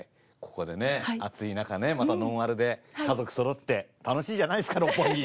ここでね暑い中ねまたノンアルで家族そろって楽しいじゃないですか六本木！